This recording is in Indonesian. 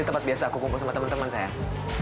ini tempat biasa aku kumpul sama teman teman sayang